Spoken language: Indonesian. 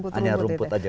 hanya rumput saja